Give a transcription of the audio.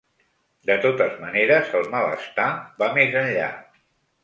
De totes maneres, el malestar va més enllà.